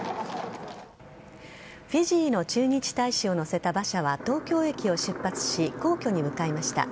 フィジーの駐日大使を乗せた馬車は東京駅を出発し皇居に向かいました。